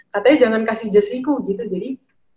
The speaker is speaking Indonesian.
katanya jangan kasih jersiku gitu jadi